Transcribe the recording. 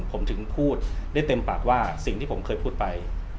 ผมถึงพูดได้เต็มปากว่าสิ่งที่ผมเคยพูดไป